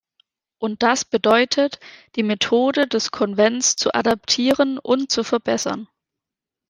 Und das bedeutet, die Methode des Konvents zu adaptieren und zu verbessern.